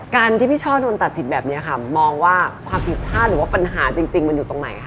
การที่พี่ช่อโดนตัดสิทธิ์แบบนี้ค่ะมองว่าความผิดพลาดหรือว่าปัญหาจริงมันอยู่ตรงไหนคะ